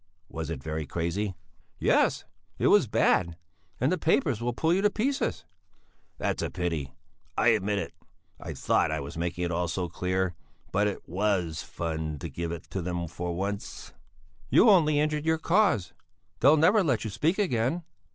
Was it very crazy?" "Yes, it was bad, and the papers will pull you to pieces." "That's a pity, I admit. I thought I was making it all so clear. But it was fun to give it them for once." "You only injured your cause; they'll never let you speak again."